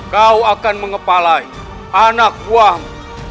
kau akan mengepalai anak buahmu